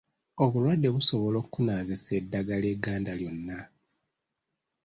Obulwadde busobola okukunaazisa eddagala egganda lyonna.